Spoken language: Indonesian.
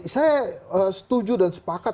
saya setuju dan sepakat